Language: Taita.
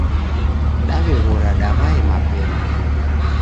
Daw'eghora daw'ae mapemba.